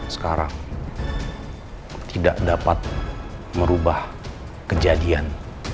sekarang tidak dapat merubah kejadian